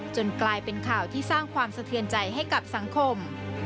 กลายเป็นข่าวที่สร้างความสะเทือนใจให้กับสังคม